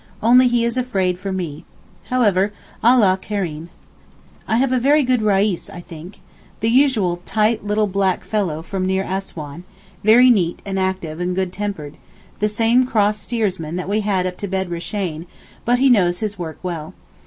Only he is afraid for me. However, Allah Kereem. I have a very good Reis I think. The usual tight little black fellow from near Assouan—very neat and active and good tempered—the same cross steersman that we had up to Bedreshayn—but he knows his work well.